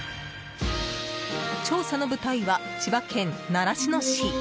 調査の舞台は、千葉県習志野市。